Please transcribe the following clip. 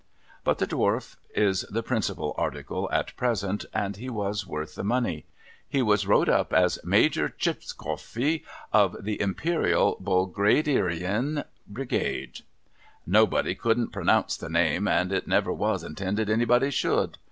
But, the Dwarf is the principal article at present, and he was worth the money. He was wrote up as Major Tpschoffki, of THE Imperial Bulgraderian Brigade., Nobody couldn't pro nounce the name, and it never was intended anybody should.